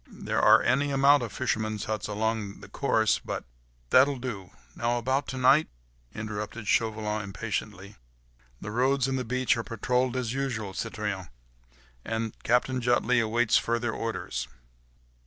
There are any amount of fishermen's huts all along the coast, of course ... but ..." "That'll do. Now about to night?" interrupted Chauvelin, impatiently. "The roads and the beach are patrolled as usual, citoyen, and Captain Jutley awaits further orders."